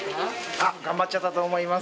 あ頑張っちょったと思います。